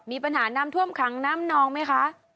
มีปัญหาน้ำท่วมขังน้ำนองไหมคะ